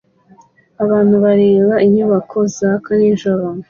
Abantu bareba inyubako zaka nijoro